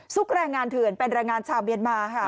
แรงงานเถื่อนเป็นแรงงานชาวเมียนมาค่ะ